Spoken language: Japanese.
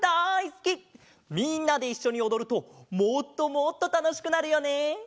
みんなでいっしょにおどるともっともっとたのしくなるよね！